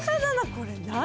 これ何？